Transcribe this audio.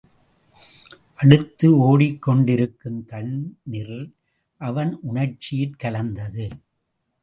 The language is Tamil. அடுத்து, ஒடிக் கொண்டிருக்கும் தண்ணிர் அவன் உணர்ச்சியிற் கலந்தது.